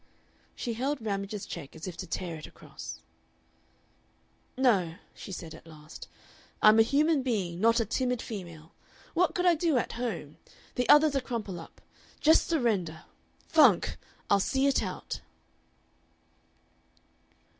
She held Ramage's check as if to tear it across. "No," she said at last; "I'm a human being not a timid female. What could I do at home? The other's a crumple up just surrender. Funk! I'll see it out."